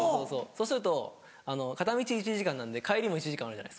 そうすると片道１時間なんで帰りも１時間あるじゃないですか。